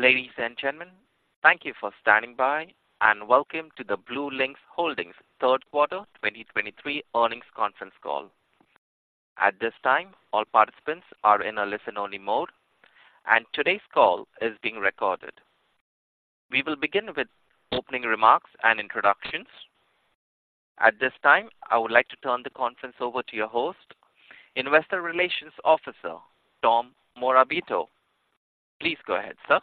Ladies and gentlemen, thank you for standing by, and welcome to the BlueLinx Holdings Third Quarter 2023 Earnings Conference Call. At this time, all participants are in a listen-only mode, and today's call is being recorded. We will begin with opening remarks and introductions. At this time, I would like to turn the conference over to your host, Investor Relations Officer Tom Morabito. Please go ahead, sir.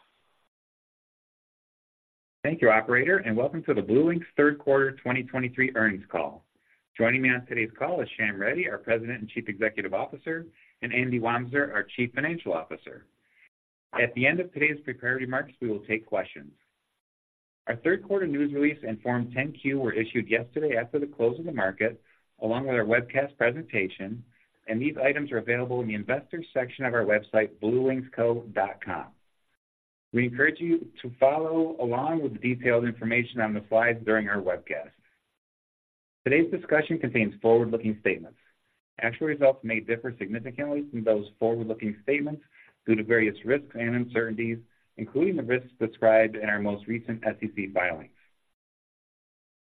Thank you, operator, and welcome to the BlueLinx Third Quarter 2023 earnings call. Joining me on today's call is Shyam Reddy, our President and Chief Executive Officer, and Andy Wamser, our Chief Financial Officer. At the end of today's prepared remarks, we will take questions. Our third quarter news release and Form 10-Q were issued yesterday after the close of the market, along with our webcast presentation, and these items are available in the Investors section of our website, bluelinxco.com. We encourage you to follow along with the detailed information on the slides during our webcast. Today's discussion contains forward-looking statements. Actual results may differ significantly from those forward-looking statements due to various risks and uncertainties, including the risks described in our most recent SEC filings.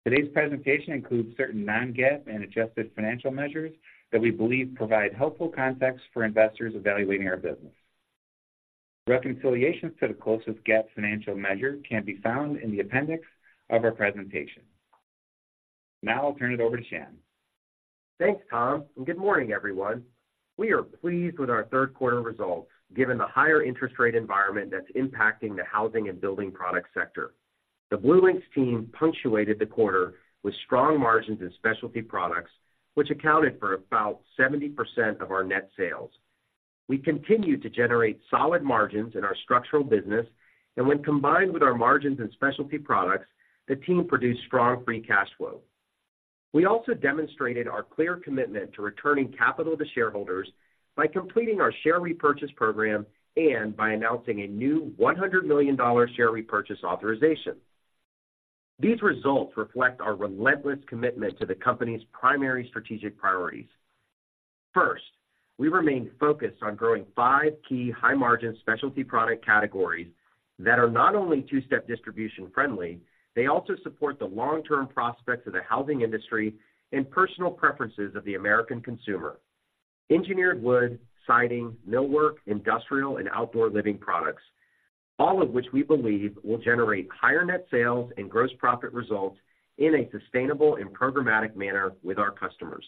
Today's presentation includes certain non-GAAP and adjusted financial measures that we believe provide helpful context for investors evaluating our business. Reconciliations to the closest GAAP financial measure can be found in the appendix of our presentation. Now I'll turn it over to Shyam. Thanks, Tom, and good morning, everyone. We are pleased with our third quarter results, given the higher interest rate environment that's impacting the housing and building product sector. The BlueLinx team punctuated the quarter with strong margins in specialty products, which accounted for about 70% of our net sales. We continued to generate solid margins in our structural business, and when combined with our margins in specialty products, the team produced strong free cash flow. We also demonstrated our clear commitment to returning capital to shareholders by completing our share repurchase program and by announcing a new $100 million share repurchase authorization. These results reflect our relentless commitment to the company's primary strategic priorities. First, we remain focused on growing five key high-margin specialty product categories that are not only two-step distribution friendly, they also support the long-term prospects of the housing industry and personal preferences of the American consumer. Engineered wood, siding, millwork, industrial, and outdoor living products, all of which we believe will generate higher net sales and gross profit results in a sustainable and programmatic manner with our customers.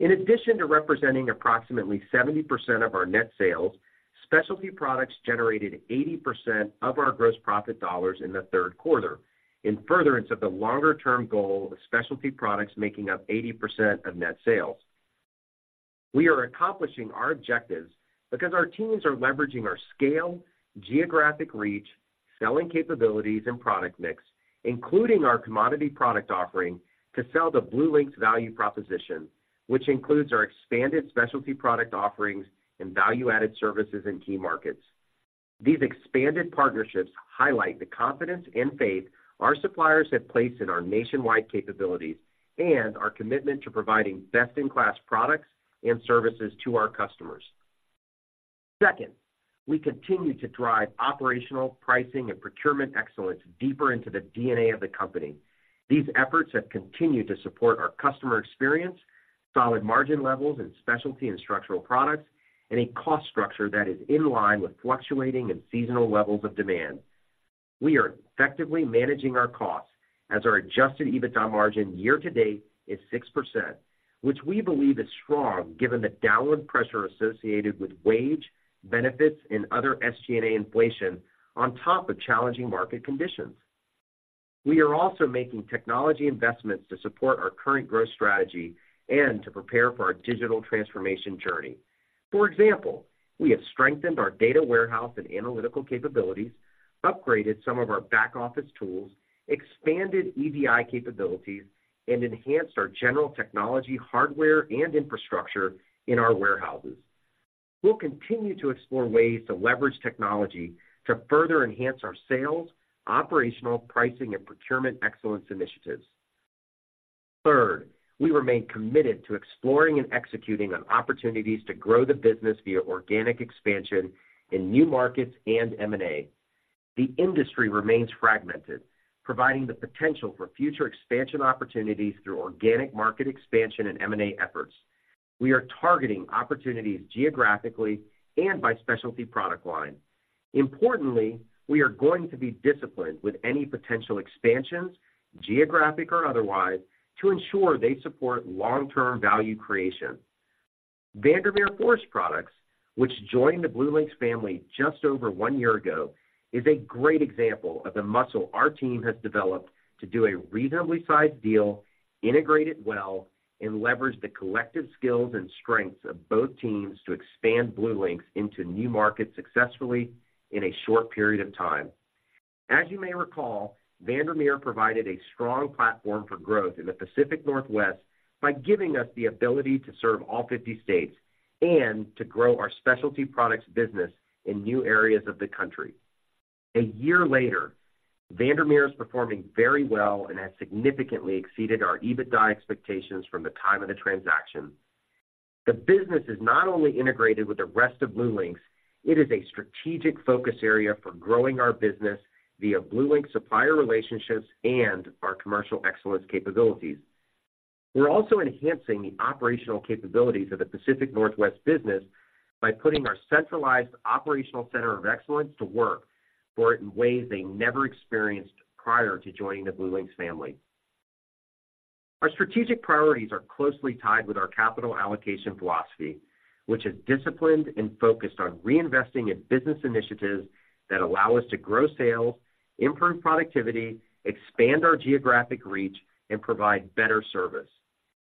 In addition to representing approximately 70% of our net sales, specialty products generated 80% of our gross profit dollars in the third quarter, in furtherance of the longer-term goal of specialty products making up 80% of net sales. We are accomplishing our objectives because our teams are leveraging our scale, geographic reach, selling capabilities, and product mix, including our commodity product offering, to sell the BlueLinx value proposition, which includes our expanded specialty product offerings and value-added services in key markets. These expanded partnerships highlight the confidence and faith our suppliers have placed in our nationwide capabilities and our commitment to providing best-in-class products and services to our customers. Second, we continue to drive operational, pricing, and procurement excellence deeper into the DNA of the company. These efforts have continued to support our customer experience, solid margin levels in specialty and structural products, and a cost structure that is in line with fluctuating and seasonal levels of demand. We are effectively managing our costs as our Adjusted EBITDA margin year-to-date is 6%, which we believe is strong, given the downward pressure associated with wage, benefits, and other SG&A inflation on top of challenging market conditions. We are also making technology investments to support our current growth strategy and to prepare for our digital transformation journey. For example, we have strengthened our data warehouse and analytical capabilities, upgraded some of our back-office tools, expanded EDI capabilities, and enhanced our general technology, hardware, and infrastructure in our warehouses. We'll continue to explore ways to leverage technology to further enhance our sales, operational, pricing, and procurement excellence initiatives. Third, we remain committed to exploring and executing on opportunities to grow the business via organic expansion in new markets and M&A. The industry remains fragmented, providing the potential for future expansion opportunities through organic market expansion and M&A efforts. We are targeting opportunities geographically and by specialty product line. Importantly, we are going to be disciplined with any potential expansions, geographic or otherwise, to ensure they support long-term value creation. Vandermeer Forest Products, which joined the BlueLinx family just over one year ago, is a great example of the muscle our team has developed to do a reasonably sized deal, integrate it well, and leverage the collective skills and strengths of both teams to expand BlueLinx into new markets successfully in a short period of time. As you may recall, Vandermeer provided a strong platform for growth in the Pacific Northwest by giving us the ability to serve all 50 states and to grow our specialty products business in new areas of the country. A year later, Vandermeer is performing very well and has significantly exceeded our EBITDA expectations from the time of the transaction. The business is not only integrated with the rest of BlueLinx, it is a strategic focus area for growing our business via BlueLinx supplier relationships and our commercial excellence capabilities. We're also enhancing the operational capabilities of the Pacific Northwest business by putting our centralized operational center of excellence to work for it in ways they never experienced prior to joining the BlueLinx family. Our strategic priorities are closely tied with our capital allocation philosophy, which is disciplined and focused on reinvesting in business initiatives that allow us to grow sales, improve productivity, expand our geographic reach, and provide better service.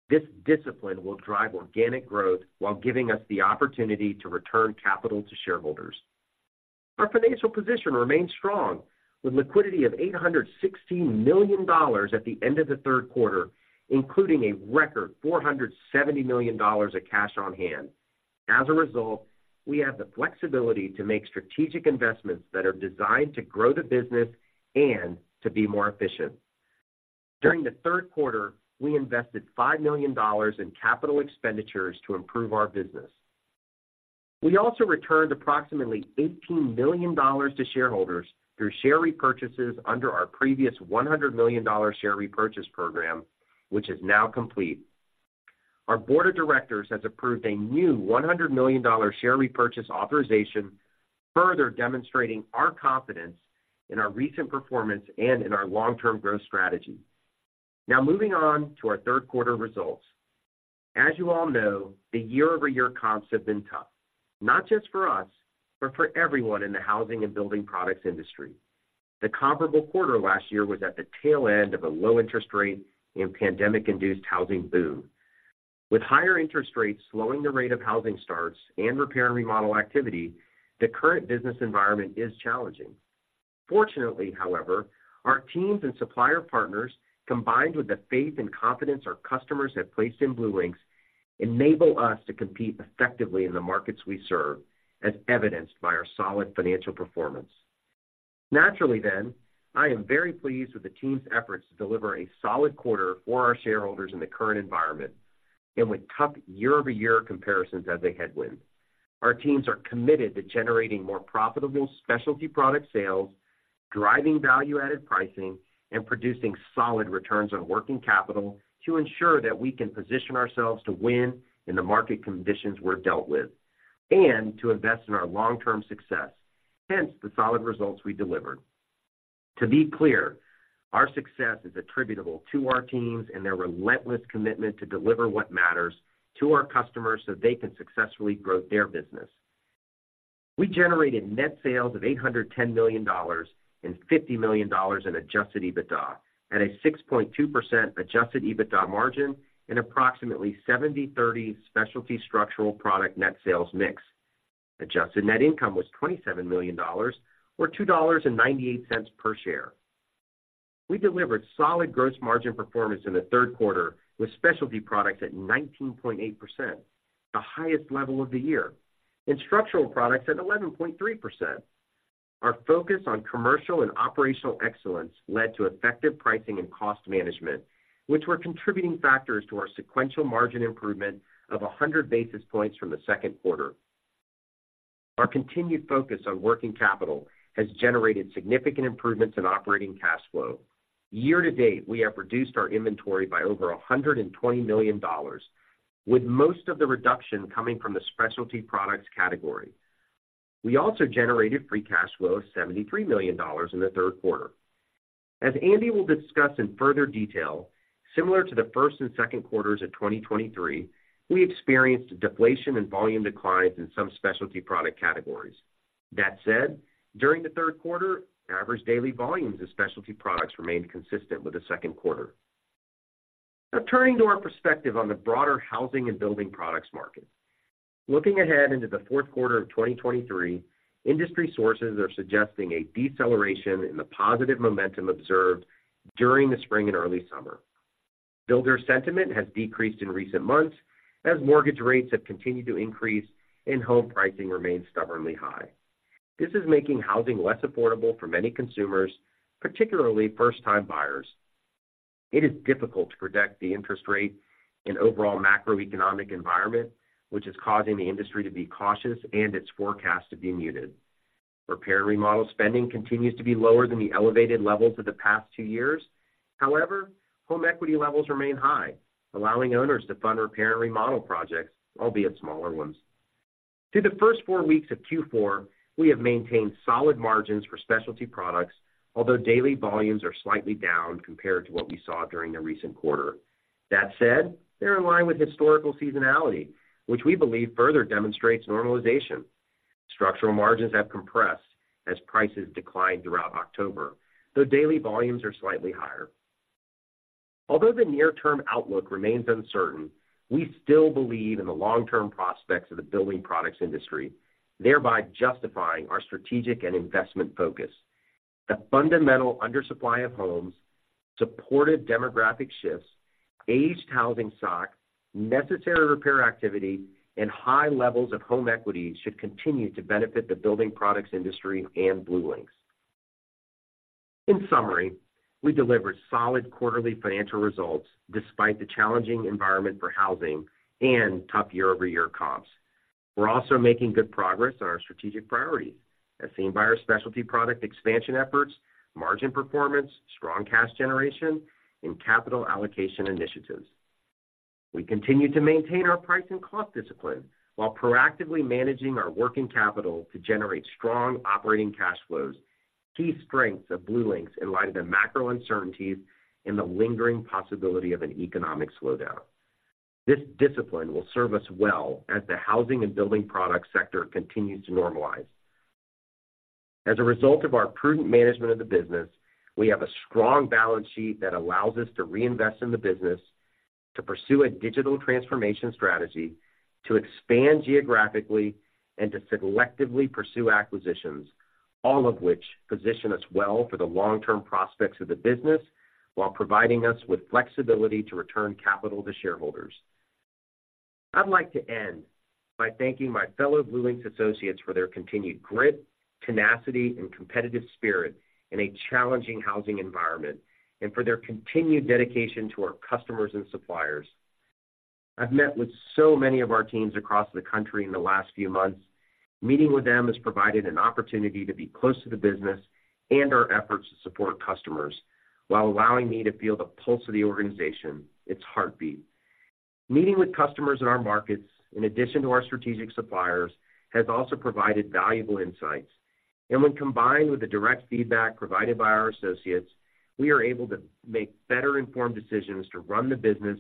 This discipline will drive organic growth while giving us the opportunity to return capital to shareholders. Our financial position remains strong, with liquidity of $816 million at the end of the third quarter, including a record $470 million of cash on hand. As a result, we have the flexibility to make strategic investments that are designed to grow the business and to be more efficient. During the third quarter, we invested $5 million in capital expenditures to improve our business. We also returned approximately $18 million to shareholders through share repurchases under our previous $100 million share repurchase program, which is now complete. Our board of directors has approved a new $100 million share repurchase authorization, further demonstrating our confidence in our recent performance and in our long-term growth strategy. Now, moving on to our third quarter results. As you all know, the year-over-year comps have been tough, not just for us, but for everyone in the housing and building products industry. The comparable quarter last year was at the tail end of a low interest rate and pandemic-induced housing boom. With higher interest rates slowing the rate of housing starts and repair and remodel activity, the current business environment is challenging. Fortunately, however, our teams and supplier partners, combined with the faith and confidence our customers have placed in BlueLinx, enable us to compete effectively in the markets we serve, as evidenced by our solid financial performance. Naturally, then, I am very pleased with the team's efforts to deliver a solid quarter for our shareholders in the current environment and with tough year-over-year comparisons as a headwind. Our teams are committed to generating more profitable specialty product sales, driving value-added pricing, and producing solid returns on working capital to ensure that we can position ourselves to win in the market conditions we're dealt with, and to invest in our long-term success, hence, the solid results we delivered. To be clear, our success is attributable to our teams and their relentless commitment to deliver what matters to our customers so they can successfully grow their business. We generated net sales of $810 million and $50 million in Adjusted EBITDA, at a 6.2% Adjusted EBITDA margin and approximately 70/30 specialty structural product net sales mix. Adjusted net income was $27 million, or $2.98 per share. We delivered solid gross margin performance in the third quarter, with specialty products at 19.8%, the highest level of the year, and structural products at 11.3%. Our focus on commercial and operational excellence led to effective pricing and cost management, which were contributing factors to our sequential margin improvement of 100 basis points from the second quarter. Our continued focus on working capital has generated significant improvements in operating cash flow. Year to date, we have reduced our inventory by over $120 million, with most of the reduction coming from the specialty products category. We also generated free cash flow of $73 million in the third quarter. As Andy will discuss in further detail, similar to the first and second quarters of 2023, we experienced deflation and volume declines in some specialty product categories. That said, during the third quarter, average daily volumes of specialty products remained consistent with the second quarter. Now, turning to our perspective on the broader housing and building products market. Looking ahead into the fourth quarter of 2023, industry sources are suggesting a deceleration in the positive momentum observed during the spring and early summer. Builder sentiment has decreased in recent months as mortgage rates have continued to increase and home pricing remains stubbornly high. This is making housing less affordable for many consumers, particularly first-time buyers. It is difficult to predict the interest rate and overall macroeconomic environment, which is causing the industry to be cautious and its forecast to be muted. Repair and remodel spending continues to be lower than the elevated levels of the past two years. However, home equity levels remain high, allowing owners to fund repair and remodel projects, albeit smaller ones. Through the first four weeks of Q4, we have maintained solid margins for specialty products, although daily volumes are slightly down compared to what we saw during the recent quarter. That said, they're in line with historical seasonality, which we believe further demonstrates normalization. Structural margins have compressed as prices declined throughout October, though daily volumes are slightly higher. Although the near-term outlook remains uncertain, we still believe in the long-term prospects of the building products industry, thereby justifying our strategic and investment focus. The fundamental undersupply of homes, supported demographic shifts, aged housing stock, necessary repair activity, and high levels of home equity should continue to benefit the building products industry and BlueLinx.... In summary, we delivered solid quarterly financial results despite the challenging environment for housing and tough year-over-year comps. We're also making good progress on our strategic priorities, as seen by our specialty product expansion efforts, margin performance, strong cash generation, and capital allocation initiatives. We continue to maintain our price and cost discipline while proactively managing our working capital to generate strong operating cash flows, key strengths of BlueLinx in light of the macro uncertainties and the lingering possibility of an economic slowdown. This discipline will serve us well as the housing and building product sector continues to normalize. As a result of our prudent management of the business, we have a strong balance sheet that allows us to reinvest in the business, to pursue a digital transformation strategy, to expand geographically, and to selectively pursue acquisitions, all of which position us well for the long-term prospects of the business, while providing us with flexibility to return capital to shareholders. I'd like to end by thanking my fellow BlueLinx associates for their continued grit, tenacity, and competitive spirit in a challenging housing environment, and for their continued dedication to our customers and suppliers. I've met with so many of our teams across the country in the last few months. Meeting with them has provided an opportunity to be close to the business and our efforts to support customers, while allowing me to feel the pulse of the organization, its heartbeat. Meeting with customers in our markets, in addition to our strategic suppliers, has also provided valuable insights. When combined with the direct feedback provided by our associates, we are able to make better-informed decisions to run the business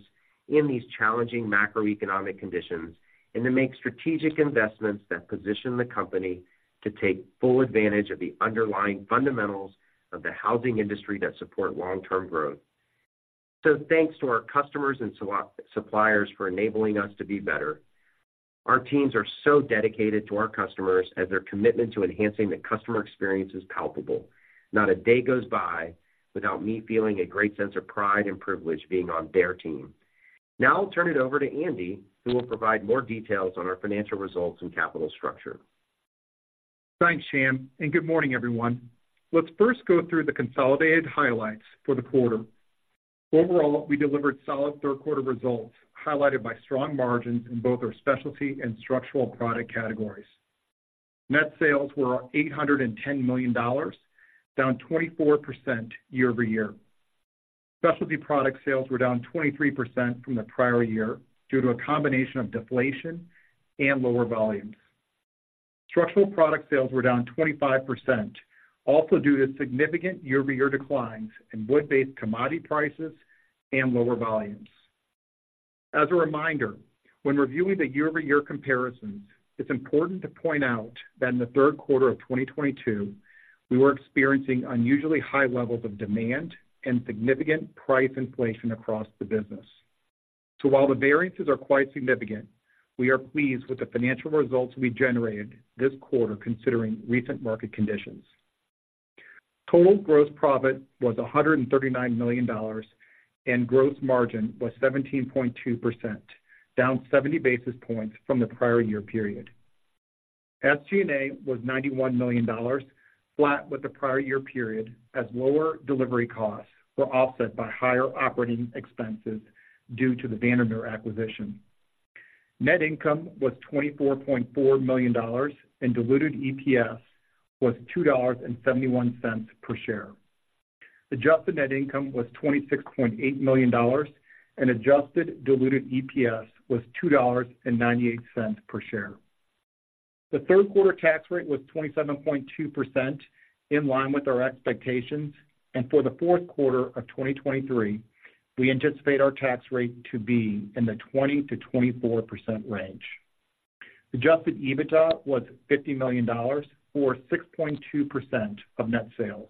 in these challenging macroeconomic conditions, and to make strategic investments that position the company to take full advantage of the underlying fundamentals of the housing industry that support long-term growth. So thanks to our customers and suppliers for enabling us to be better. Our teams are so dedicated to our customers, and their commitment to enhancing the customer experience is palpable. Not a day goes by without me feeling a great sense of pride and privilege being on their team. Now I'll turn it over to Andy, who will provide more details on our financial results and capital structure. Thanks, Shyam, and good morning, everyone. Let's first go through the consolidated highlights for the quarter. Overall, we delivered solid third quarter results, highlighted by strong margins in both our specialty and structural product categories. Net sales were $810 million, down 24% year-over-year. Specialty product sales were down 23% from the prior year due to a combination of deflation and lower volumes. Structural product sales were down 25%, also due to significant year-over-year declines in wood-based commodity prices and lower volumes. As a reminder, when reviewing the year-over-year comparisons, it's important to point out that in the third quarter of 2022, we were experiencing unusually high levels of demand and significant price inflation across the business. So while the variances are quite significant, we are pleased with the financial results we generated this quarter, considering recent market conditions. Total gross profit was $139 million, and gross margin was 17.2%, down 70 basis points from the prior year period. SG&A was $91 million, flat with the prior year period, as lower delivery costs were offset by higher operating expenses due to the Vandermeer acquisition. Net income was $24.4 million, and diluted EPS was $2.71 per share. Adjusted net income was $26.8 million, and adjusted diluted EPS was $2.98 per share. The third quarter tax rate was 27.2%, in line with our expectations, and for the fourth quarter of 2023, we anticipate our tax rate to be in the 20%-24% range. Adjusted EBITDA was $50 million, or 6.2% of net sales.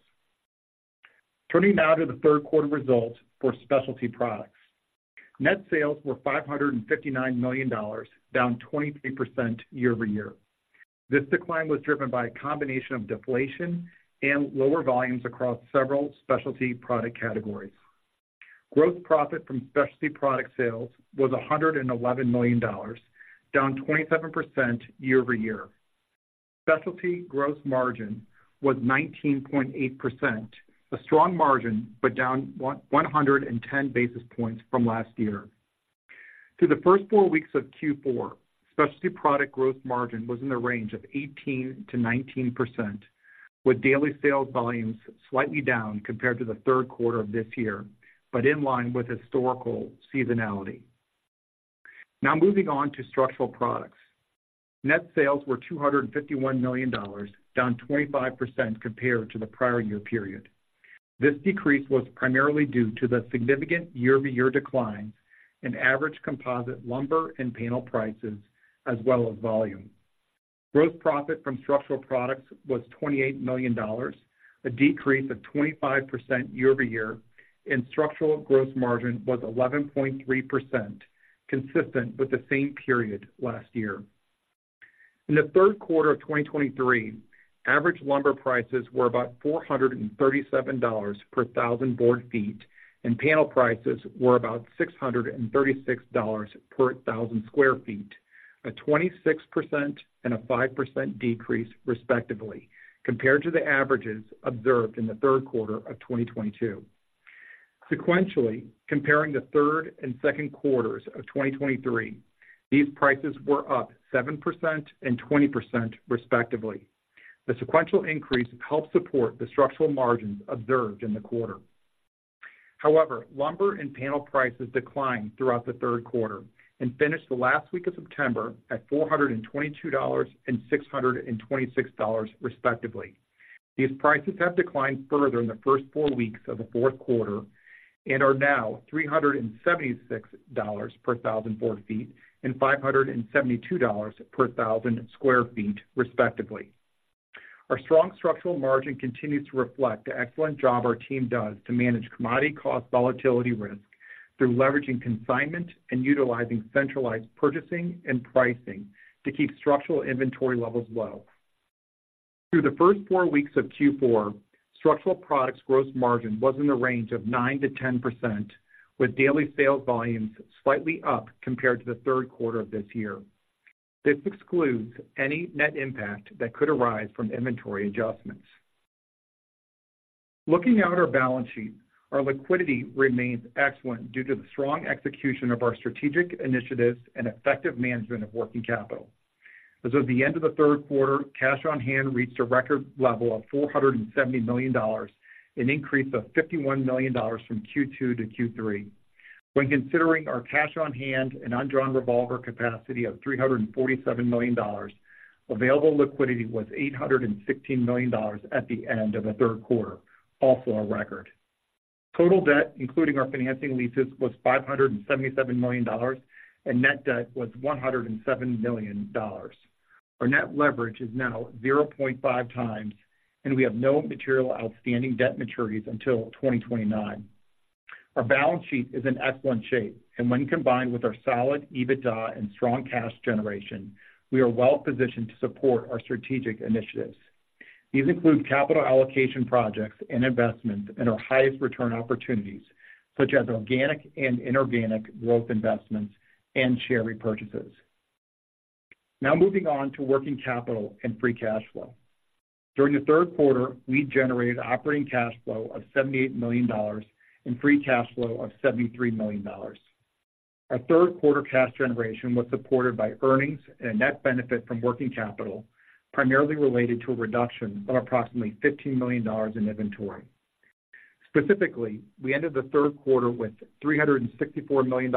Turning now to the third quarter results for specialty products. Net sales were $559 million, down 23% year-over-year. This decline was driven by a combination of deflation and lower volumes across several specialty product categories. Gross profit from specialty product sales was $111 million, down 27% year-over-year. Specialty gross margin was 19.8%, a strong margin, but down 110 basis points from last year. Through the first four weeks of Q4, specialty product gross margin was in the range of 18%-19%, with daily sales volumes slightly down compared to the third quarter of this year, but in line with historical seasonality. Now moving on to structural products. Net sales were $251 million, down 25% compared to the prior year period. This decrease was primarily due to the significant year-over-year decline in average composite lumber and panel prices, as well as volume. Gross profit from structural products was $28 million, a decrease of 25% year-over-year, and structural gross margin was 11.3%, consistent with the same period last year. In the third quarter of 2023, average lumber prices were about $437 per thousand board feet, and panel prices were about $636 per thousand square feet.... a 26% and a 5% decrease, respectively, compared to the averages observed in the third quarter of 2022. Sequentially, comparing the third and second quarters of 2023, these prices were up 7% and 20%, respectively. The sequential increase helped support the structural margins observed in the quarter. However, lumber and panels prices declined throughout the third quarter and finished the last week of September at $422 and $626, respectively. These prices have declined further in the first four weeks of the fourth quarter and are now $376 per thousand board feet and $572 per thousand square feet, respectively. Our strong structural margin continues to reflect the excellent job our team does to manage commodity cost volatility risk through leveraging consignment and utilizing centralized purchasing and pricing to keep structural inventory levels low. Through the first four weeks of Q4, structural products gross margin was in the range of 9%-10%, with daily sales volumes slightly up compared to the third quarter of this year. This excludes any net impact that could arise from inventory adjustments. Looking at our balance sheet, our liquidity remains excellent due to the strong execution of our strategic initiatives and effective management of working capital. As of the end of the third quarter, cash on hand reached a record level of $470 million, an increase of $51 million from Q2 to Q3. When considering our cash on hand and undrawn revolver capacity of $347 million, available liquidity was $816 million at the end of the third quarter, also a record. Total debt, including our financing leases, was $577 million, and net debt was $107 million. Our net leverage is now 0.5x, and we have no material outstanding debt maturities until 2029. Our balance sheet is in excellent shape, and when combined with our solid EBITDA and strong cash generation, we are well positioned to support our strategic initiatives. These include capital allocation projects and investments in our highest return opportunities, such as organic and inorganic growth investments and share repurchases. Now moving on to working capital and free cash flow. During the third quarter, we generated operating cash flow of $78 million and free cash flow of $73 million. Our third quarter cash generation was supported by earnings and a net benefit from working capital, primarily related to a reduction of approximately $15 million in inventory. Specifically, we ended the third quarter with $364 million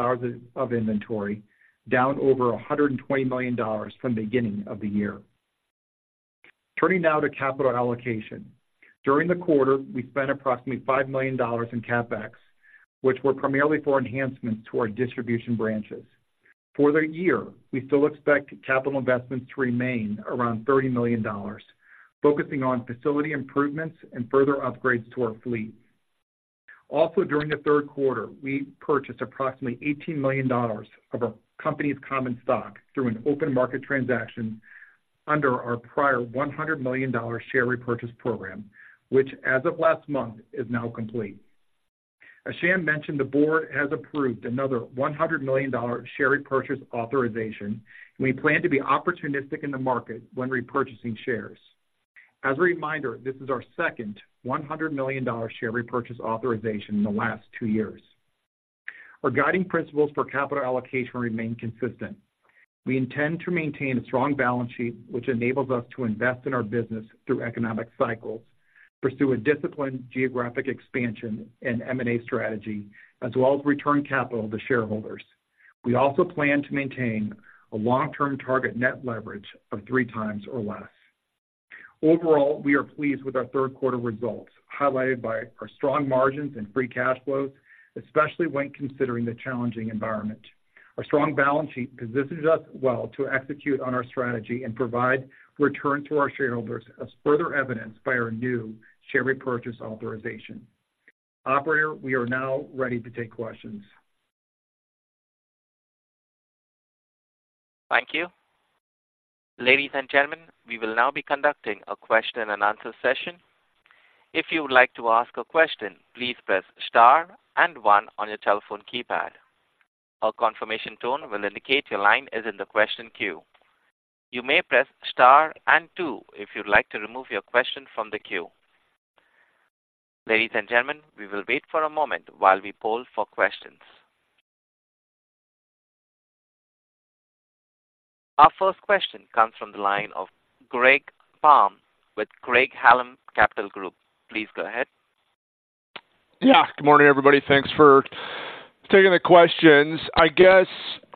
of inventory, down over $120 million from the beginning of the year. Turning now to capital allocation. During the quarter, we spent approximately $5 million in CapEx, which were primarily for enhancements to our distribution branches. For the year, we still expect capital investments to remain around $30 million, focusing on facility improvements and further upgrades to our fleet. Also, during the third quarter, we purchased approximately $18 million of our company's common stock through an open market transaction under our prior $100 million share repurchase program, which as of last month, is now complete. As Shyam mentioned, the board has approved another $100 million share repurchase authorization. We plan to be opportunistic in the market when repurchasing shares. As a reminder, this is our second $100 million share repurchase authorization in the last two years. Our guiding principles for capital allocation remain consistent. We intend to maintain a strong balance sheet, which enables us to invest in our business through economic cycles, pursue a disciplined geographic expansion and M&A strategy, as well as return capital to shareholders. We also plan to maintain a long-term target net leverage of 3x or less. Overall, we are pleased with our third quarter results, highlighted by our strong margins and free cash flows, especially when considering the challenging environment. Our strong balance sheet positions us well to execute on our strategy and provide return to our shareholders, as further evidenced by our new share repurchase authorization. Operator, we are now ready to take questions. Thank you. Ladies and gentlemen, we will now be conducting a question-and-answer session. If you would like to ask a question, please press star and one on your telephone keypad. A confirmation tone will indicate your line is in the question queue. You may press star and two if you'd like to remove your question from the queue. Ladies and gentlemen, we will wait for a moment while we poll for questions. Our first question comes from the line of Greg Palm with Craig-Hallum Capital Group. Please go ahead. Yeah. Good morning, everybody. Thanks for taking the questions. I guess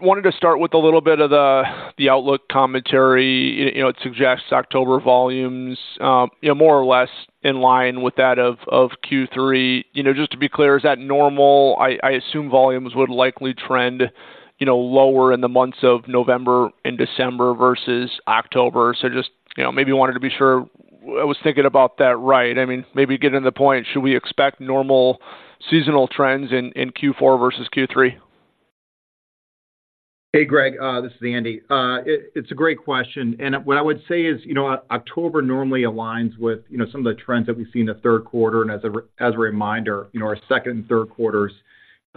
I wanted to start with a little bit of the outlook commentary. You know, it suggests October volumes more or less in line with that of Q3. You know, just to be clear, is that normal? I assume volumes would likely trend, you know, lower in the months of November and December versus October. So just, you know, maybe wanted to be sure I was thinking about that right. I mean, maybe getting to the point, should we expect normal seasonal trends in Q4 versus Q3? Hey, Greg, this is Andy. It's a great question. And what I would say is, you know, October normally aligns with, you know, some of the trends that we've seen in the third quarter. And as a reminder, you know, our second and third quarters,...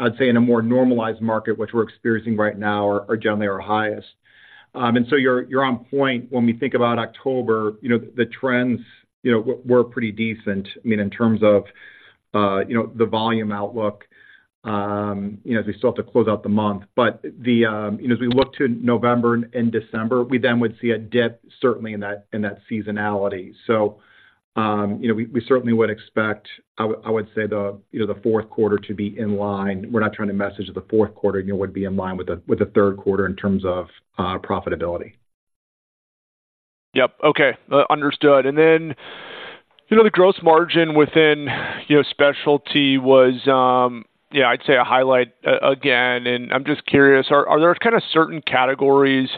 I'd say, in a more normalized market, which we're experiencing right now, are generally our highest. And so you're on point. When we think about October, you know, the trends, you know, were pretty decent. I mean, in terms of, you know, the volume outlook, you know, as we still have to close out the month. But the, you know, as we look to November and December, we then would see a dip, certainly in that seasonality. So, you know, we certainly would expect, I would say the, you know, the fourth quarter to be in line. We're not trying to message the fourth quarter, you know, would be in line with the third quarter in terms of profitability. Yep. Okay, understood. And then, you know, the gross margin within, you know, specialty was, yeah, I'd say a highlight again, and I'm just curious, are there kind of certain categories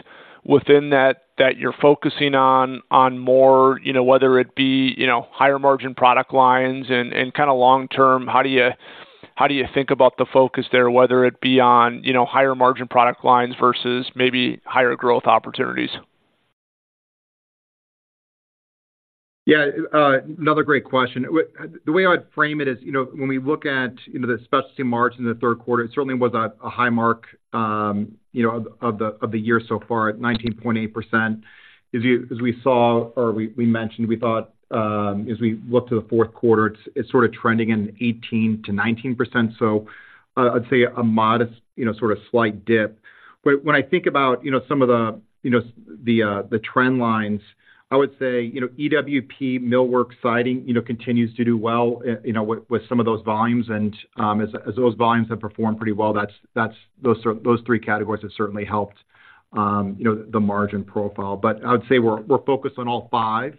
within that that you're focusing on more, you know, whether it be higher margin product lines? And kind of long term, how do you think about the focus there, whether it be on higher margin product lines versus maybe higher growth opportunities? Yeah, another great question. The way I'd frame it is, you know, when we look at, you know, the specialty margin in the third quarter, it certainly was a high mark, you know, of the year so far, at 19.8%. As you-- as we saw or we mentioned, we thought, as we look to the fourth quarter, it's sort of trending in 18%-19%. So, I'd say a modest, you know, sort of slight dip. But when I think about, you know, some of the, you know, the trend lines, I would say, you know, EWP, millwork, siding, you know, continues to do well, you know, with some of those volumes. As those volumes have performed pretty well, that's those three categories have certainly helped, you know, the margin profile. But I would say we're focused on all five,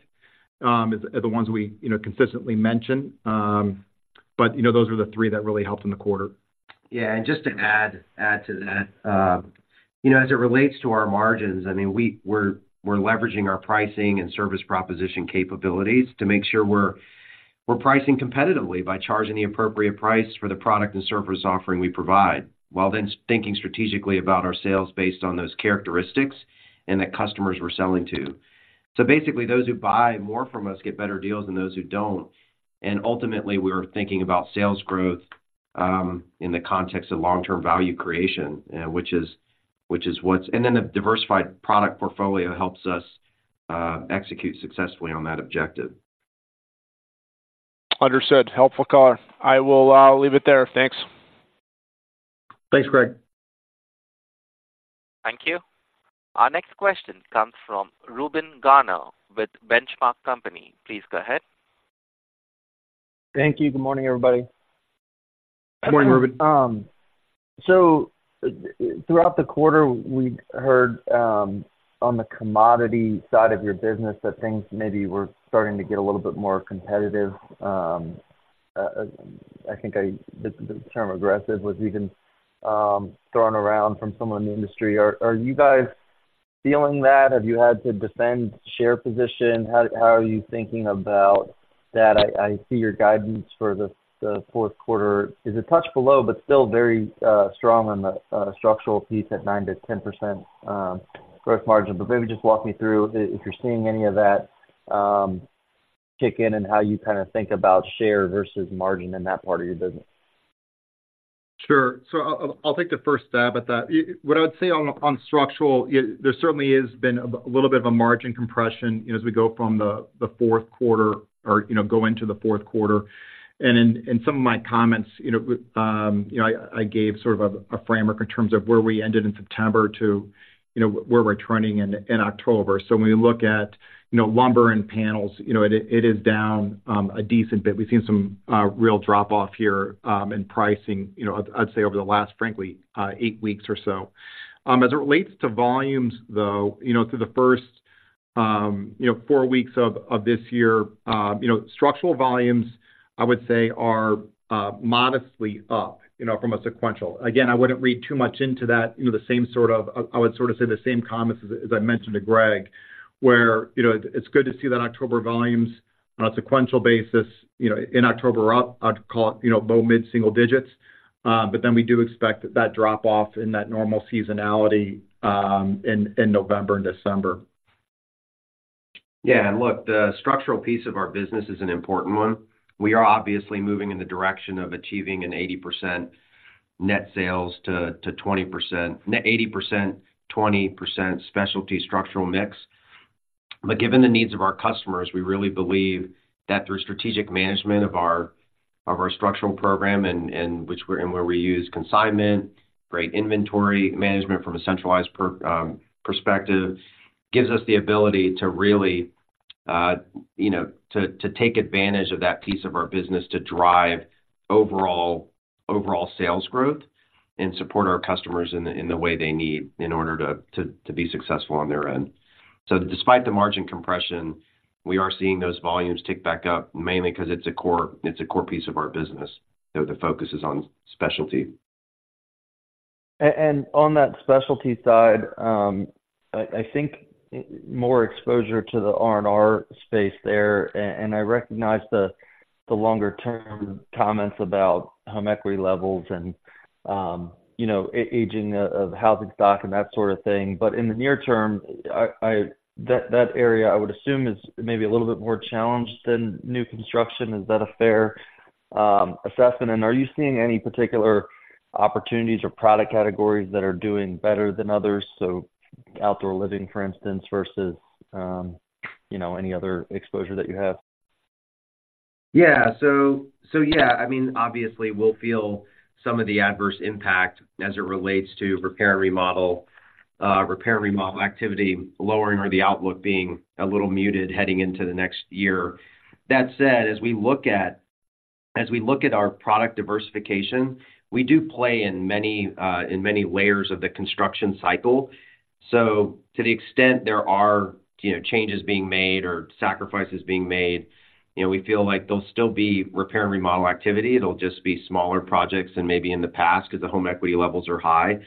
as the ones we, you know, consistently mention. But, you know, those are the three that really helped in the quarter. Yeah, and just to add to that, you know, as it relates to our margins, I mean, we're leveraging our pricing and service proposition capabilities to make sure we're pricing competitively by charging the appropriate price for the product and service offering we provide, while then thinking strategically about our sales based on those characteristics and the customers we're selling to. So basically, those who buy more from us get better deals than those who don't. And ultimately, we're thinking about sales growth in the context of long-term value creation, which is what's... And then the diversified product portfolio helps us execute successfully on that objective. Understood. Helpful color. I will leave it there. Thanks. Thanks, Greg. Thank you. Our next question comes from Reuben Garner with Benchmark Company. Please go ahead. Thank you. Good morning, everybody. Good morning, Reuben. So throughout the quarter, we heard on the commodity side of your business, that things maybe were starting to get a little bit more competitive. I think the term aggressive was even thrown around from someone in the industry. Are you guys feeling that? Have you had to defend share position? How are you thinking about that? I see your guidance for the fourth quarter is a touch below, but still very strong on the structural piece at 9%-10% growth margin. But maybe just walk me through if you're seeing any of that kick in, and how you kind of think about share versus margin in that part of your business. Sure. So I'll, I'll take the first stab at that. What I would say on, on structural, there certainly has been a, a little bit of a margin compression, you know, as we go from the, the fourth quarter or, you know, go into the fourth quarter. In some of my comments, you know, you know, I, I gave sort of a, a framework in terms of where we ended in September to, you know, where we're trending in, in October. So when we look at, you know, lumber and panels, you know, it, it is down, a decent bit. We've seen some real drop-off here in pricing, you know, I'd, I'd say over the last, frankly, eight weeks or so. As it relates to volumes, though, you know, through the first, you know, four weeks of this year, you know, structural volumes, I would say, are modestly up, you know, from a sequential. Again, I wouldn't read too much into that. You know, the same sort of—I would sort of say the same comments as I mentioned to Greg, where, you know, it's good to see that October volumes on a sequential basis, you know, in October are up. I'd call it, you know, low, mid single digits. But then we do expect that drop off in that normal seasonality, in November and December. Yeah, and look, the structural piece of our business is an important one. We are obviously moving in the direction of achieving an 80% net sales to 20%... 80%, 20% specialty structural mix. But given the needs of our customers, we really believe that through strategic management of our structural program, and where we use consignment, great inventory management from a centralized perspective, gives us the ability to really, you know, to take advantage of that piece of our business to drive overall sales growth and support our customers in the way they need in order to be successful on their end. So despite the margin compression, we are seeing those volumes tick back up, mainly because it's a core piece of our business. The focus is on specialty. And on that specialty side, I think more exposure to the R&R space there, and I recognize the longer-term comments about home equity levels and, you know, aging of housing stock and that sort of thing. But in the near term... That area, I would assume, is maybe a little bit more challenged than new construction. Is that a fair assessment? And are you seeing any particular opportunities or product categories that are doing better than others, so outdoor living, for instance, versus, you know, any other exposure that you have? Yeah. So, so yeah, I mean, obviously, we'll feel some of the adverse impact as it relates to repair and remodel, repair and remodel activity lowering or the outlook being a little muted heading into the next year. That said, as we look at, as we look at our product diversification, we do play in many, in many layers of the construction cycle. So to the extent there are, you know, changes being made or sacrifices being made, you know, we feel like there'll still be repair and remodel activity. It'll just be smaller projects than maybe in the past, 'cause the home equity levels are high.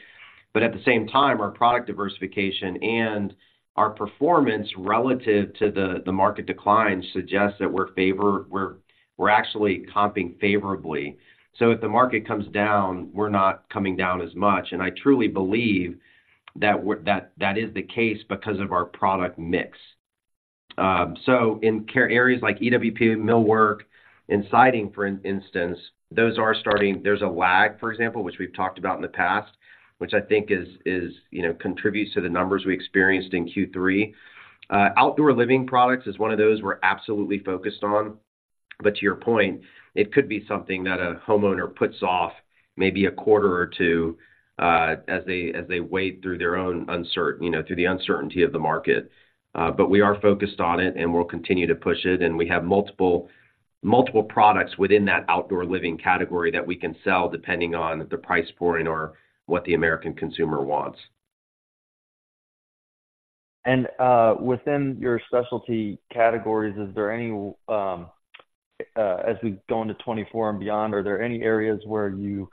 But at the same time, our product diversification and our performance relative to the, the market decline suggests that we're favor-- we're, we're actually comping favorably. So if the market comes down, we're not coming down as much, and I truly believe that we're—that is the case because of our product mix. So in key areas like EWP, millwork, and siding, for instance, those are starting. There's a lag, for example, which we've talked about in the past, which I think is, you know, contributes to the numbers we experienced in Q3. Outdoor living products is one of those we're absolutely focused on. But to your point, it could be something that a homeowner puts off maybe a quarter or two, as they wade through their own uncertain—you know, through the uncertainty of the market. But we are focused on it, and we'll continue to push it, and we have multiple, multiple products within that outdoor living category that we can sell, depending on the price point or what the American consumer wants. Within your specialty categories, is there any, as we go into 2024 and beyond, are there any areas where you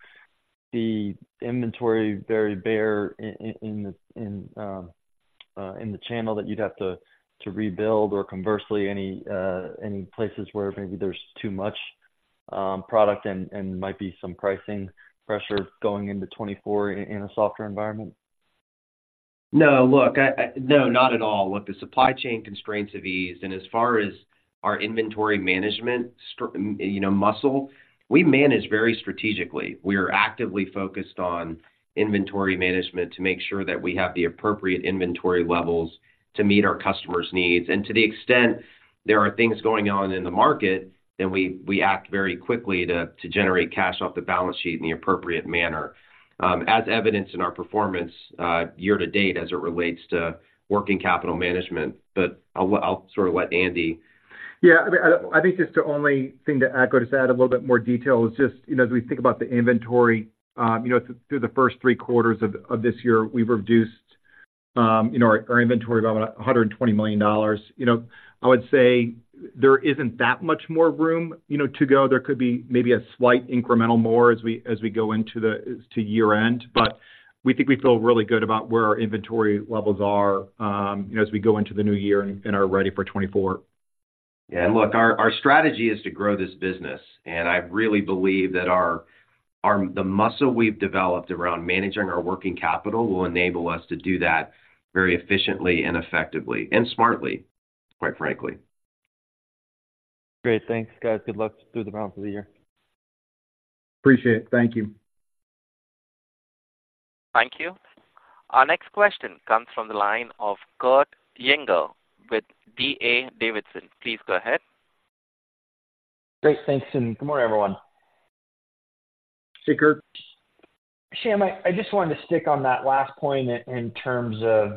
see inventory very bare in the channel that you'd have to rebuild, or conversely, any places where maybe there's too much product and might be some pricing pressure going into 2024 in a softer environment? No, look... No, not at all. Look, the supply chain constraints have eased, and as far as our inventory management, you know, muscle, we manage very strategically. We are actively focused on inventory management to make sure that we have the appropriate inventory levels to meet our customers' needs. And to the extent there are things going on in the market, then we act very quickly to generate cash off the balance sheet in the appropriate manner, as evidenced in our performance year to date as it relates to working capital management. But I'll sort of let Andy- Yeah, I think just the only thing to add or just add a little bit more detail is just, you know, as we think about the inventory, you know, through the first three quarters of this year, we've reduced, you know, our inventory by $120 million. You know, I would say there isn't that much more room, you know, to go. There could be maybe a slight incremental more as we go into the year-end, but we think we feel really good about where our inventory levels are, you know, as we go into the new year and are ready for 2024. Yeah, and look, our strategy is to grow this business, and I really believe that our—the muscle we've developed around managing our working capital will enable us to do that very efficiently and effectively and smartly, quite frankly. Great. Thanks, guys. Good luck through the balance of the year. Appreciate it. Thank you. Thank you. Our next question comes from the line of Kurt Yinger with D.A. Davidson. Please go ahead. Great, thanks, and good morning, everyone. Hey, Kurt. Shyam, I just wanted to stick on that last point in terms of,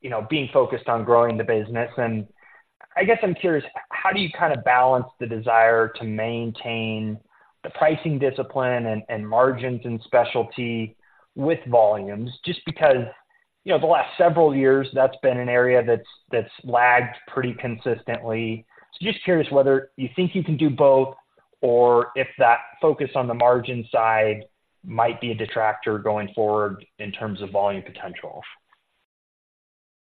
you know, being focused on growing the business. I guess I'm curious, how do you kind of balance the desire to maintain the pricing discipline and margins in specialty with volumes? Just because, you know, the last several years, that's been an area that's lagged pretty consistently. So just curious whether you think you can do both or if that focus on the margin side might be a detractor going forward in terms of volume potential.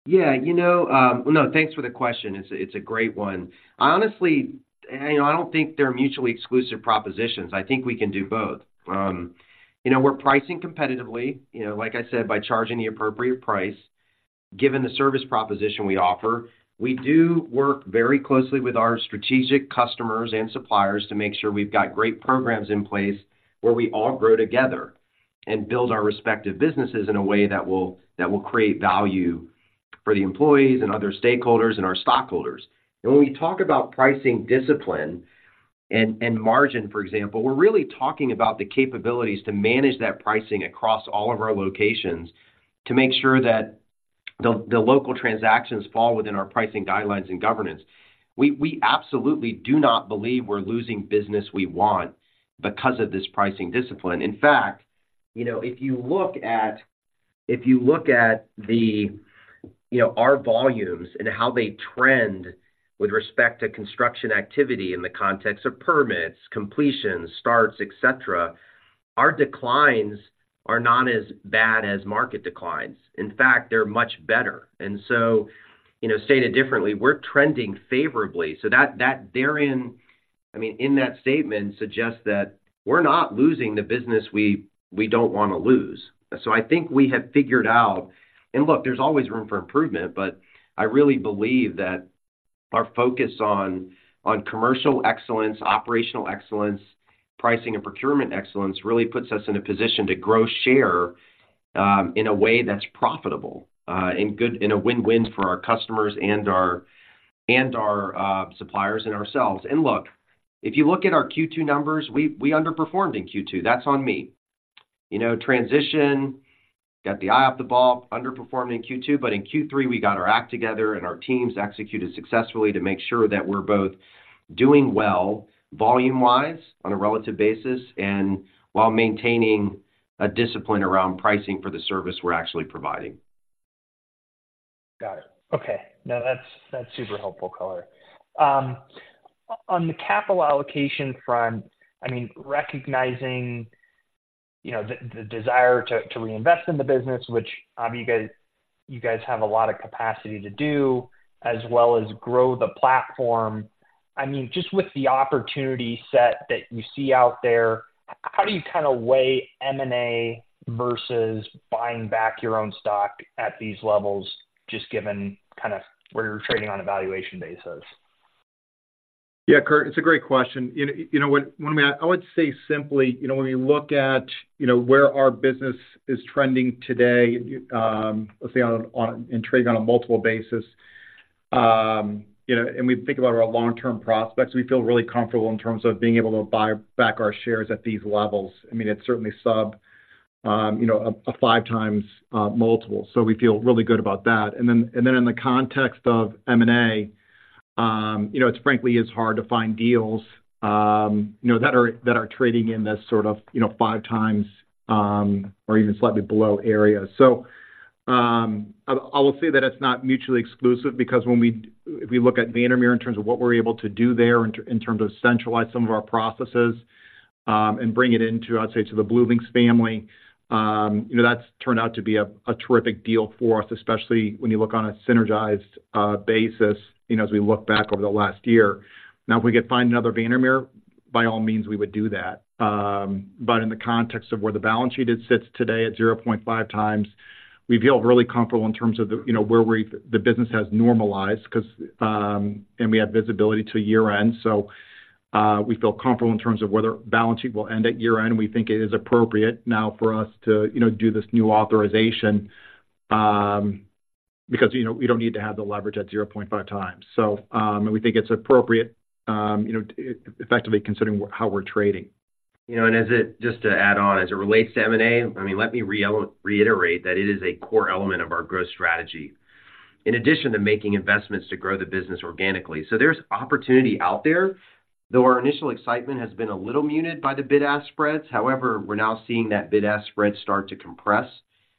Yeah, you know, no, thanks for the question. It's a great one. I honestly, you know, I don't think they're mutually exclusive propositions. I think we can do both. You know, we're pricing competitively, you know, like I said, by charging the appropriate price. Given the service proposition we offer, we do work very closely with our strategic customers and suppliers to make sure we've got great programs in place where we all grow together and build our respective businesses in a way that will create value for the employees and other stakeholders and our stockholders. And when we talk about pricing discipline and margin, for example, we're really talking about the capabilities to manage that pricing across all of our locations to make sure that the local transactions fall within our pricing guidelines and governance. We absolutely do not believe we're losing business we want because of this pricing discipline. In fact, you know, if you look at the, you know, our volumes and how they trend with respect to construction activity in the context of permits, completions, starts, et cetera, our declines are not as bad as market declines. In fact, they're much better. And so, you know, stated differently, we're trending favorably. So that therein, I mean, in that statement, suggests that we're not losing the business we don't want to lose. So I think we have figured out... And look, there's always room for improvement, but I really believe that-... Our focus on commercial excellence, operational excellence, pricing and procurement excellence really puts us in a position to grow share in a way that's profitable and good and a win-win for our customers and our suppliers and ourselves. And look, if you look at our Q2 numbers, we underperformed in Q2. That's on me. You know, transition, got the eye off the ball, underperformed in Q2, but in Q3, we got our act together, and our teams executed successfully to make sure that we're both doing well volume-wise, on a relative basis, and while maintaining a discipline around pricing for the service we're actually providing. Got it. Okay. No, that's, that's super helpful color. On the capital allocation front, I mean, recognizing, you know, the desire to reinvest in the business, which you guys have a lot of capacity to do, as well as grow the platform. I mean, just with the opportunity set that you see out there, how do you kind of weigh M&A versus buying back your own stock at these levels, just given kind of where you're trading on a valuation basis? Yeah, Kurt, it's a great question. You know what I mean. I would say simply, you know, when we look at, you know, where our business is trending today, let's say on and trading on a multiple basis, you know, and we think about our long-term prospects, we feel really comfortable in terms of being able to buy back our shares at these levels. I mean, it's certainly sub a 5x multiple, so we feel really good about that. And then in the context of M&A, you know, it's frankly, it's hard to find deals, you know, that are trading in this sort of, you know, 5x or even slightly below area. I will say that it's not mutually exclusive because if we look at Vandermeer in terms of what we're able to do there, in terms of centralize some of our processes, and bring it into, I'd say, to the BlueLinx family, you know, that's turned out to be a terrific deal for us, especially when you look on a synergized basis, you know, as we look back over the last year. Now, if we could find another Vandermeer, by all means, we would do that. But in the context of where the balance sheet sits today, at 0.5x, we feel really comfortable in terms of the, you know, where the business has normalized, 'cause and we have visibility to year-end. So, we feel comfortable in terms of where the balance sheet will end at year-end. We think it is appropriate now for us to, you know, do this new authorization, because, you know, we don't need to have the leverage at 0.5x. So, and we think it's appropriate, you know, effectively considering how we're trading. You know, just to add on, as it relates to M&A, I mean, let me reiterate that it is a core element of our growth strategy, in addition to making investments to grow the business organically. So there's opportunity out there, though our initial excitement has been a little muted by the bid-ask spreads. However, we're now seeing that bid-ask spread start to compress,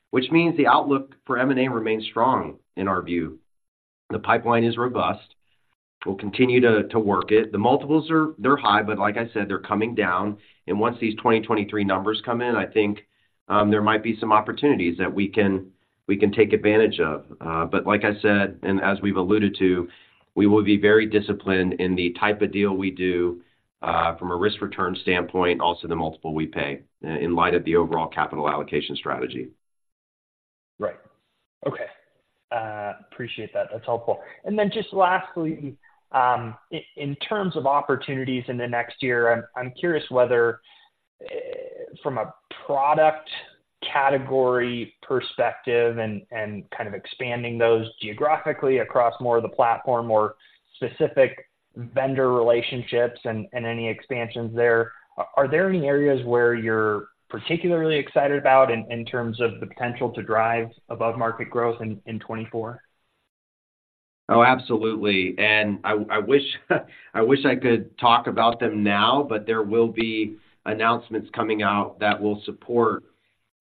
which means the outlook for M&A remains strong in our view. The pipeline is robust. We'll continue to work it. The multiples are, they're high, but like I said, they're coming down, and once these 2023 numbers come in, I think, there might be some opportunities that we can take advantage of. But like I said, and as we've alluded to, we will be very disciplined in the type of deal we do, from a risk-return standpoint, also the multiple we pay, in light of the overall capital allocation strategy. Right. Okay. Appreciate that. That's helpful. And then just lastly, in terms of opportunities in the next year, I'm curious whether, from a product category perspective and kind of expanding those geographically across more of the platform or specific vendor relationships and any expansions there, are there any areas where you're particularly excited about in terms of the potential to drive above-market growth in 2024? Oh, absolutely. And I wish I could talk about them now, but there will be announcements coming out that will support,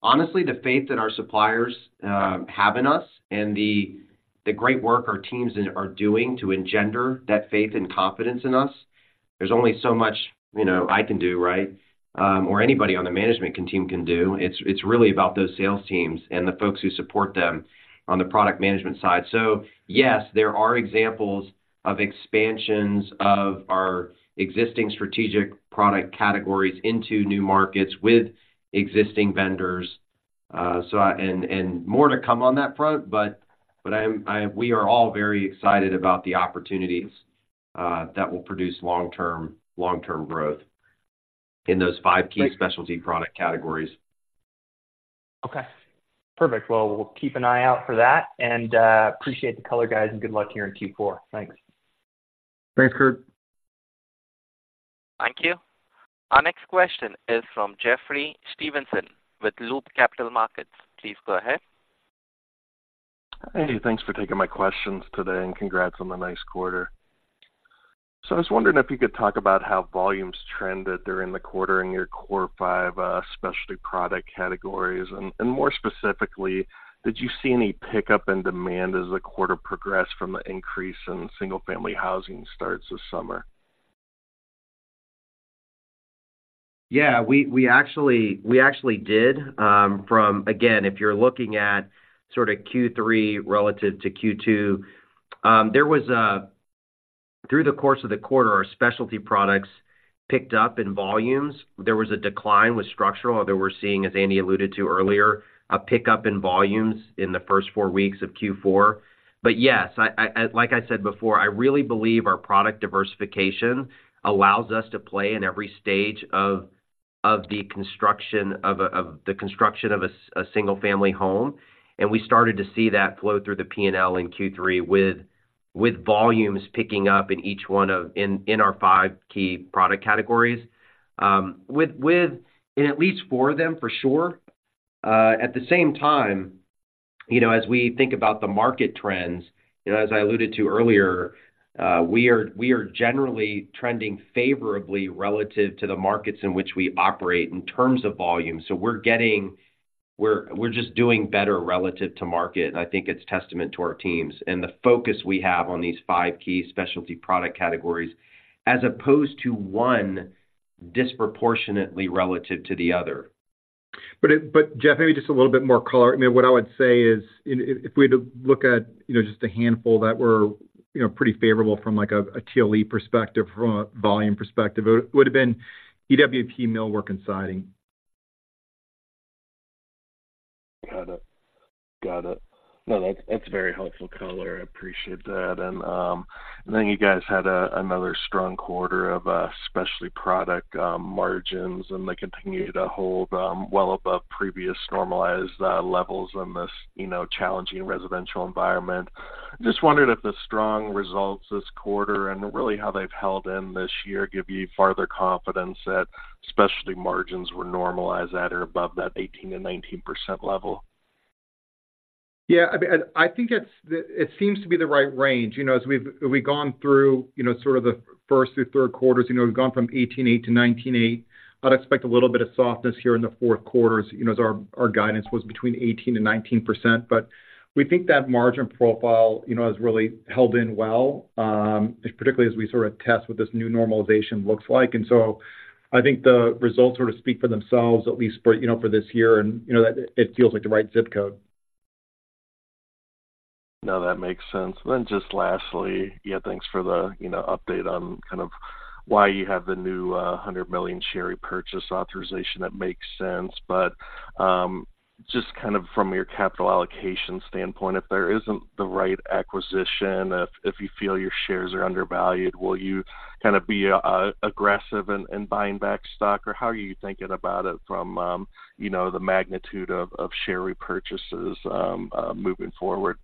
honestly, the faith that our suppliers have in us and the great work our teams are doing to engender that faith and confidence in us. There's only so much, you know, I can do, right? Or anybody on the management team can do. It's really about those sales teams and the folks who support them on the product management side. So yes, there are examples of expansions of our existing strategic product categories into new markets with existing vendors. So and more to come on that front, but we are all very excited about the opportunities that will produce long-term, long-term growth in those five key specialty product categories. Okay, perfect. Well, we'll keep an eye out for that, and, appreciate the color, guys, and good luck here in Q4. Thanks. Thanks, Kurt. Thank you. Our next question is from Jeffrey Stevenson with Loop Capital Markets. Please go ahead. Hey, thanks for taking my questions today, and congrats on the nice quarter. So I was wondering if you could talk about how volumes trended during the quarter in your core five, specialty product categories. And, and more specifically, did you see any pickup in demand as the quarter progressed from the increase in single-family housing starts this summer? Yeah, we, we actually, we actually did. From again, if you're looking at sort of Q3 relative to Q2, there was through the course of the quarter, our specialty products picked up in volumes. There was a decline with structural, although we're seeing, as Andy alluded to earlier, a pickup in volumes in the first four weeks of Q4. But yes, I, I, like I said before, I really believe our product diversification allows us to play in every stage of, of the construction of a, of the construction of a, a single-family home. And we started to see that flow through the P&L in Q3, with, with, volumes picking up in each one of in, in our five key product categories. With, with, and at least four of them, for sure. At the same time, you know, as we think about the market trends, you know, as I alluded to earlier, we are generally trending favorably relative to the markets in which we operate in terms of volume. So we're just doing better relative to market. I think it's testament to our teams and the focus we have on these five key specialty product categories, as opposed to one disproportionately relative to the other. But, Jeff, maybe just a little bit more color. I mean, what I would say is if we had to look at, you know, just a handful that were, you know, pretty favorable from, like, a TLE perspective, from a volume perspective, it would have been EWP, Millwork, and Siding. Got it. Got it. No, that's, that's very helpful color. I appreciate that. And then you guys had another strong quarter of specialty product margins, and they continued to hold well above previous normalized levels in this, you know, challenging residential environment. Just wondered if the strong results this quarter and really how they've held in this year give you further confidence that specialty margins were normalized at or above that 18% and 19% level? Yeah, I mean, I think it's the... It seems to be the right range. You know, as we've gone through, you know, sort of the first through third quarters, you know, we've gone from 18.8 to 19.8. I'd expect a little bit of softness here in the fourth quarter, you know, as our guidance was between 18%-19%. But we think that margin profile, you know, has really held in well, particularly as we sort of test what this new normalization looks like. And so I think the results sort of speak for themselves, at least for, you know, for this year, and, you know, that it feels like the right zip code. No, that makes sense. Then just lastly, yeah, thanks for the, you know, update on kind of why you have the new $100 million share repurchase authorization. That makes sense. But, just kind of from your capital allocation standpoint, if there isn't the right acquisition, if you feel your shares are undervalued, will you kind of be aggressive in buying back stock, or how are you thinking about it from, you know, the magnitude of share repurchases moving forward?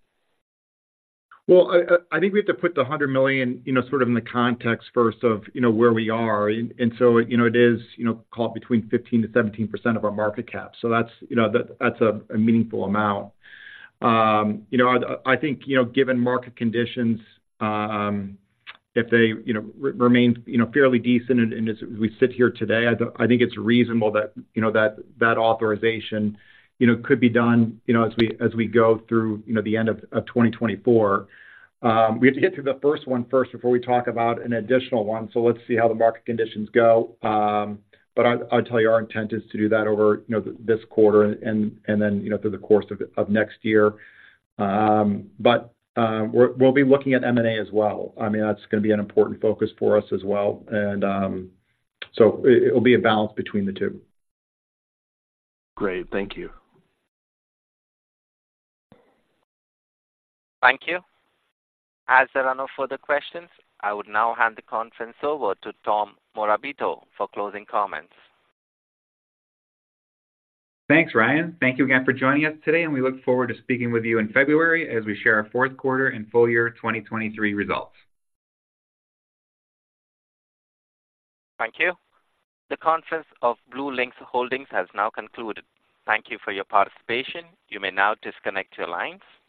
Well, I think we have to put the $100 million, you know, sort of in the context first of, you know, where we are. And so, you know, it is, you know, call it between 15%-17% of our market cap. So that's, you know, that, that's a meaningful amount. You know, I think, you know, given market conditions, if they, you know, remain, you know, fairly decent, and as we sit here today, I think it's reasonable that, you know, that authorization, you know, could be done, you know, as we go through, you know, the end of 2024. We have to get through the first one first before we talk about an additional one, so let's see how the market conditions go. But I'll tell you, our intent is to do that over, you know, this quarter and then, you know, through the course of next year. But we'll be looking at M&A as well. I mean, that's going to be an important focus for us as well. So it'll be a balance between the two. Great. Thank you. Thank you. As there are no further questions, I would now hand the conference over to Tom Morabito for closing comments. Thanks, Ryan. Thank you again for joining us today, and we look forward to speaking with you in February as we share our fourth quarter and full year 2023 results. Thank you. The conference of BlueLinx Holdings has now concluded. Thank you for your participation. You may now disconnect your lines.